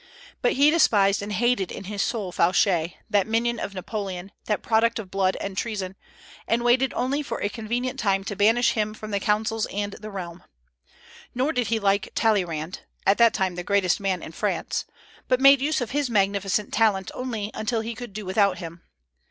But he despised and hated in his soul Fouché, that minion of Napoleon, that product of blood and treason, and waited only for a convenient time to banish him from the councils and the realm. Nor did he like Talleyrand (at that time the greatest man in France), but made use of his magnificent talents only until he could do without him.